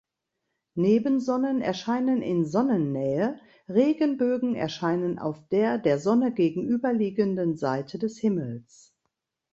Nebensonnen erscheinen in Sonnennähe, Regenbögen erscheinen auf der der Sonne gegenüberliegenden Seite des Himmels.